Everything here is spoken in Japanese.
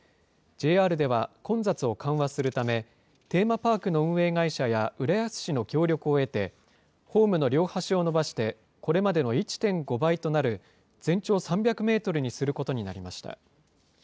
ＪＲでは混雑を緩和するため、テーマパークの運営会社や浦安市の協力を得て、ホームの両端を伸ばして、これまでの１．５倍となる全長３００メートルにすることになりました。